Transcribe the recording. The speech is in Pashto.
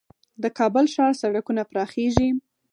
د کابل ښار سړکونه پراخیږي؟